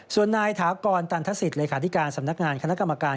ส่วนนายถากรตันทศิษย์เลขาธิการสำนักงานคณะกรรมการ